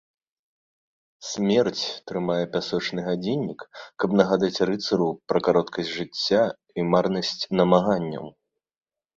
Смерць трымае пясочны гадзіннік, каб нагадаць рыцару пра кароткасць жыцця і марнасць намаганняў.